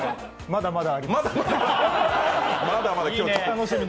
まだまたあります。